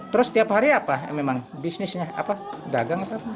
terus setiap hari apa memang bisnisnya apa dagang apa